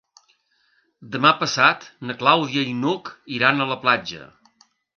Demà passat na Clàudia i n'Hug iran a la platja.